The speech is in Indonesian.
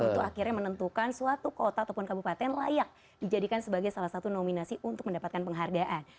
itu akhirnya menentukan suatu kota ataupun kabupaten layak dijadikan sebagai salah satu nominasi untuk mendapatkan penghargaan